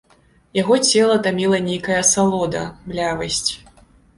Яго цела таміла нейкая асалода, млявасць.